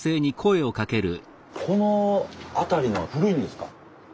この辺りのは古いんですか？